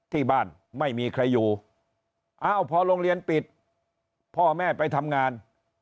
ที่บ้านไม่มีใครอยู่อ้าวพอโรงเรียนปิดพ่อแม่ไปทำงาน